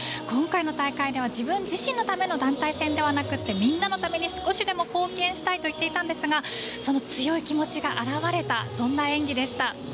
今回の大会では自分自身のための団体戦ではなくみんなのために少しでも貢献したいと語っていましたがその気持ちが表れたそんな演技でした。